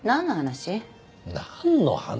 何の話？